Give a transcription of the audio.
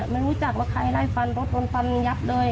ไม่รู้จักว่าใครไล่ฟันรถโดนฟันยับเลย